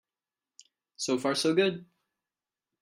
So far so good.